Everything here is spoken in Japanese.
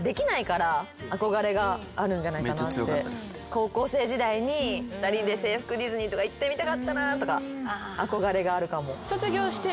高校生時代に２人で制服ディズニーとか行ってみたかったなぁとか憧れがあるかも。